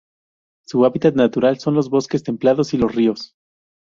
Su hábitat natural son los bosques templados y los ríos